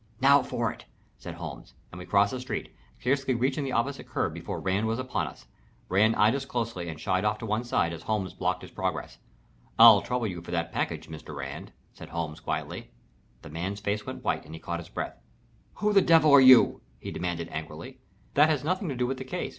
"Now for it," said Holmes, and we crossed the street, scarcely reaching the opposite curb before Rand was upon us. Rand eyed us closely and shied off to one side as Holmes blocked his progress. "I'll trouble you for that package, Mr. Rand," said Holmes, quietly. The man's face went white and he caught his breath. "Who the devil are you?" he demanded, angrily. "That has nothing to do with the case."